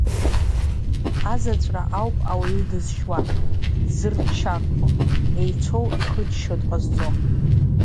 Азаҵәра ауп ауаҩы дызшьуа, дзырччархәуа, еицәоу ихыччо дҟазҵо.